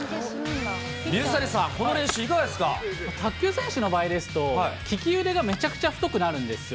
水谷さん、この練習いかがで卓球選手の場合ですと、利き腕がめちゃくちゃ太くなるんですよ。